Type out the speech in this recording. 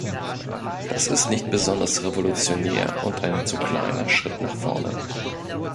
Das ist nicht besonders revolutionär und ein zu kleiner Schritt nach vorne.